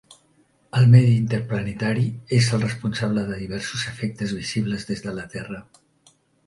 El medi interplanetari és el responsable de diversos efectes visibles des de la Terra.